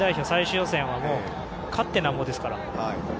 最終予選はもう勝ってなんぼですから。